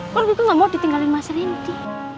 orang itu nggak mau ditinggalin mas rendy